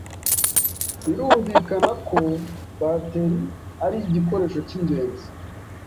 Birumvikana ko batterie ari igikoresho cy’ingenzi